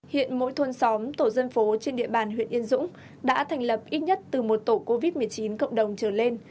hiện mỗi thôn xóm tổ dân phố trên địa bàn huyện yên dũng đã thành lập ít nhất từ một tổ covid một mươi chín cộng đồng trở lên